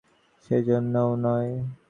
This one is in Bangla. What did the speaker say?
বলিয়া তাড়াতাড়ি যোগ দেন, সেজন্যও নয়।